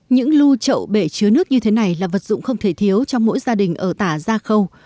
những lưu trậu bể chứa nước như thế này là vật dụng không thể thiếu trong mỗi gia đình ở tả gia khâu